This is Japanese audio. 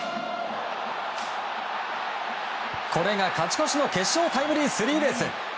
これが、勝ち越しの決勝タイムリースリーベース！